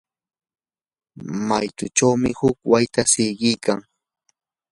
maytuchawmi huk waytata siqikan.